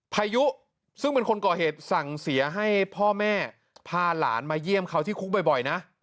พายุซึ่งเป็นคนก่อเหตุสั่งเสียให้พ่อแม่พาหลานมาเยี่ยมเขาที่คุกบ่อยนะ